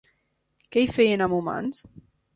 Què hi feien amb humans?